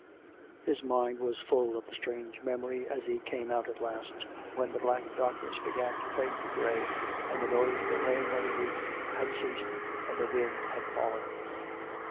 ... His mind was full of the strange memory as he came out at last, when the black darkness began to fade to grey, and the noise of the rain on the roof had ceased, and the wind had fallen.